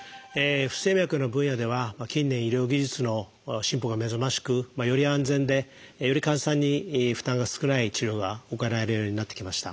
不整脈の分野では近年医療技術の進歩が目覚ましくより安全でより患者さんに負担が少ない治療が行われるようになってきました。